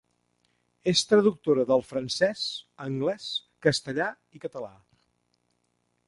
És traductora del francès, anglès, castellà i català.